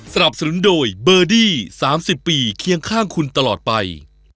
สนับสนุนโดยเบอร์ดี้๓๐ปีเคียงข้างคุณตลอดไป